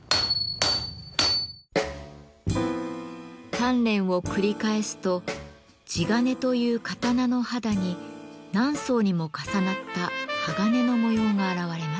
鍛錬を繰り返すと地鉄という刀の肌に何層にも重なった鋼の模様が現れます。